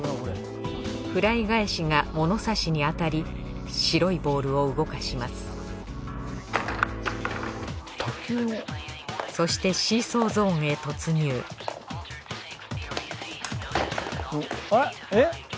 フライ返しがものさしに当たり白いボールを動かしますそしてシーソーゾーンへ突入あれっえっ？